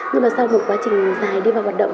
nhưng mà sau một quá trình dài đi vào hoạt động